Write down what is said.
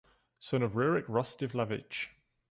Son of Rurik Rostislavich.